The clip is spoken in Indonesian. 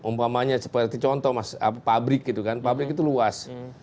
umpamanya seperti contoh mas pabrik gitu kan pabrik itu luas